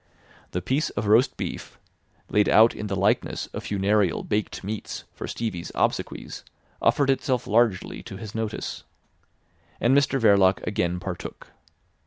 The piece of roast beef, laid out in the likeness of funereal baked meats for Stevie's obsequies, offered itself largely to his notice. And Mr Verloc again partook.